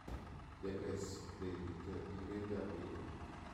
Depresso, David riprende a bere.